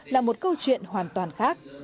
là một câu chuyện hoàn toàn khác